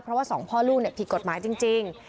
เพราะว่าสองพ่อลูกผิดกฎหมายจริง